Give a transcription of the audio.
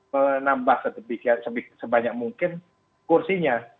menambah sebanyak mungkin kursinya